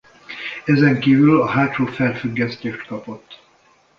Ezenkívül a hátsó felfüggesztést kapott.